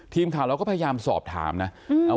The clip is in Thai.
ทีมข่าวเราก็พยายามสอบถามนะ